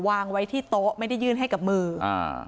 วางไว้ที่โต๊ะไม่ได้ยื่นให้กับมืออ่า